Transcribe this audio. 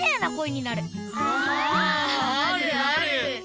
ああるある！